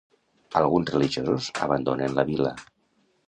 Alguns religiosos abandonen la vila.